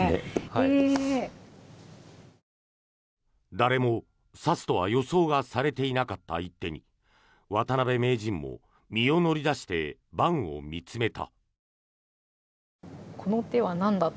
誰も指すとは予想がされていなかった一手に渡辺名人も身を乗り出して盤を見つめた。